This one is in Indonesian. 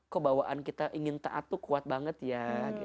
kebawaan kita ingin taat tuh kuat banget ya